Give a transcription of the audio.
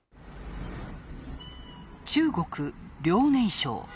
中国・遼寧省。